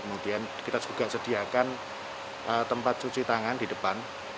kemudian kita juga sediakan tempat cuci tangan di depan